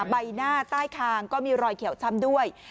ใบหน้าใต้คางก็มีรอยเขียวช้ำด้วย